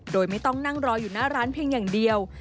โดยไม่ต้องนั่งรออยู่หน้าร้านเพียงอย่างเดียว